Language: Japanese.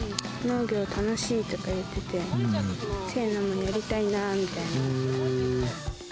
農業楽しいとか言ってて、せいなもやりたいなみたいな。